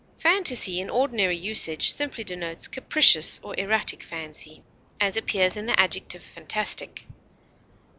Fantasy in ordinary usage simply denotes capricious or erratic fancy, as appears in the adjective fantastic.